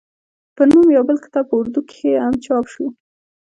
پۀ نوم يو بل کتاب پۀ اردو کښې هم چاپ شو